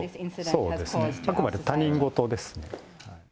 そうですね、あくまで他人事ですね。